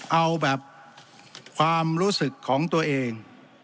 เอาแบบความรู้สึกของตัวเอง